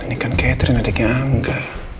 ini kan catherine adiknya angga